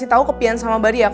eh acil sebentar